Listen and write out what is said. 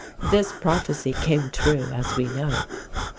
This prophecy came true, as we know.